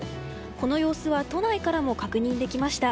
この様子は都内からも確認できました。